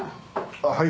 あっはい。